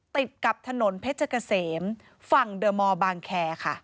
ติดกับถนนเพชรเกษมฝั่งเดอร์มอร์บางแคร์ค่ะ